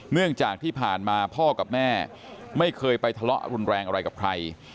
เนื่องจากที่ผ่านมาพ่อกับแม่ไม่เคยไปทะเลาะรุนแรงอะไรกับใคร